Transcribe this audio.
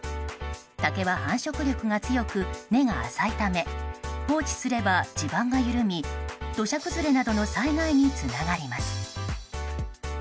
竹は繁殖力が強く、根が浅いため放置すれば地盤が緩み土砂崩れなどの災害につながります。